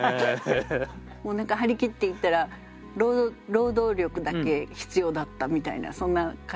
もう何か張り切って行ったら労働力だけ必要だったみたいなそんな感じで。